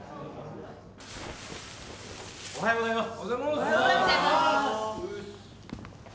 おはようございます！